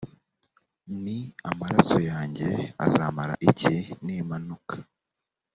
nti amaraso yanjye azamara iki nimanuka